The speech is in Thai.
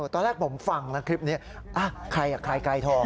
ตอนแรกผมฟังนะคลิปนี้อ้าใครอ่ะใครไกรทอง